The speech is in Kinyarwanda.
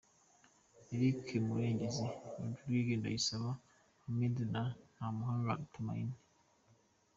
Eric, Murengezi Rodrigue, Ndayisaba Hamidu na ntamuhanga Tumaine .